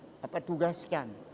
sebelum mereka kita tugaskan